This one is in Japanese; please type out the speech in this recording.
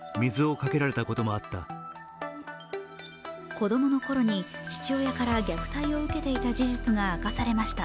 子供のころに父親から虐待を受けていた事実が明かされました。